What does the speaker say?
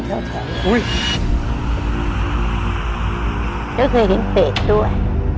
ก็เคยเห็นเปรตด้วย